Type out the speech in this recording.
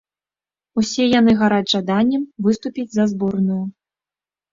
Усе яны гараць жаданнем выступіць за зборную.